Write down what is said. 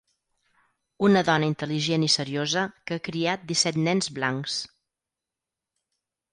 Una dona intel·ligent i seriosa que ha criat disset nens blancs.